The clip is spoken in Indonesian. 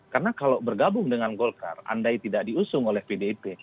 karena kalau bergabung dengan golkar andai tidak diusung oleh pdip